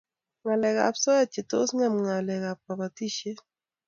ngalek ab soet che tos ngem ngalek ab kabatishiet